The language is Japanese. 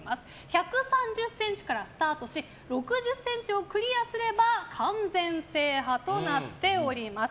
１３０ｃｍからスタートし６０ｃｍをクリアすれば完全制覇となっております。